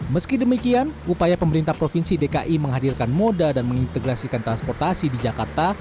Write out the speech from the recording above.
meski demikian upaya pemerintah provinsi dki menghadirkan moda dan mengintegrasikan transportasi di jakarta